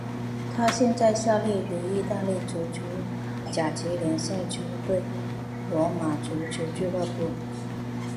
他现在效力于意大利足球甲级联赛球队罗马足球俱乐部。